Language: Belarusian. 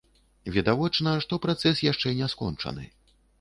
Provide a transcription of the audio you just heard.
Відавочна, што працэс яшчэ не скончаны.